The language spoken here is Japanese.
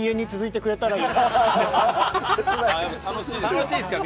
楽しいですか？